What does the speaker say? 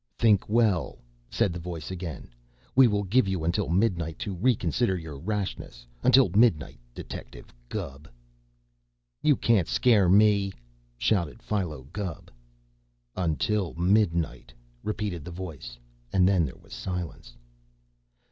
"Think well," said the voice again. "We will give you until midnight to reconsider your rashness. Until midnight, Detective Gubb!" "You can't scare me!" shouted Philo Gubb. "Until midnight!" repeated the voice, and then there was silence.